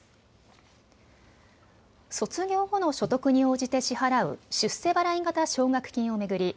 卒業後の所得に応じて支払う出世払い型奨学金を巡り